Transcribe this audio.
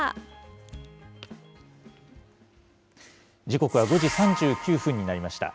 時刻は５時３９分になりました。